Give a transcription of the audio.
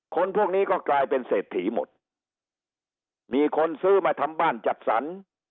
คนพวกนี้ก็กลายเป็นเศรษฐีหมดมีคนซื้อมาทำบ้านจัดสรร